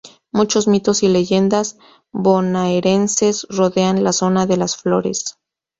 Muchos mitos y leyendas bonaerenses rodean la zona de Las Flores.